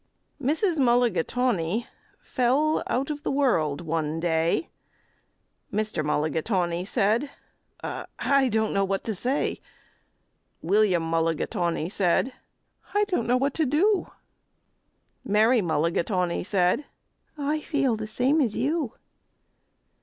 Mrs. Mulligatawny fell out of the world one day. Mr. Mulligatawny said, "I don't know what to say." William Mulligatawny said, "I don't know what to do." Mary Mulligatawny said, "I feel the same as you."